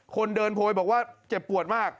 คนเดินโพยบอกว่าเจ็บปวดมาก